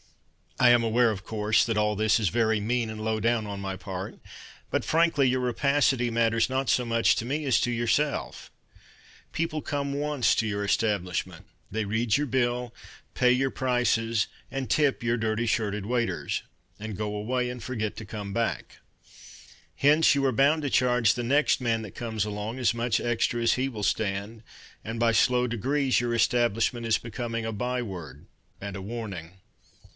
I am aware, of course, That all this is very mean And low down On my part, But frankly Your rapacity Matters not so much to me As to yourself. People come once to your establishment, They read your bill, Pay your prices And tip your dirty shirted waiters, And go away And forget to come back. Hence You are bound to charge The next man that comes along As much extra as he will stand, And by slow degrees Your establishment Is becoming A by word And a warning.